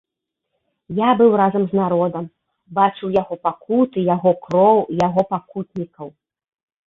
Я быў разам з народам, бачыў яго пакуты, яго кроў, яго пакутнікаў.